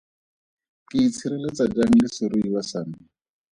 Ke itshireletsa jang le seruiwa sa me?